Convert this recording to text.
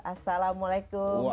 assalamualaikum k faiz